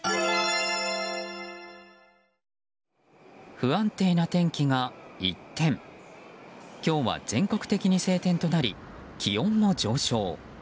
不安定な天気が一転今日は全国的に晴天となり気温も上昇。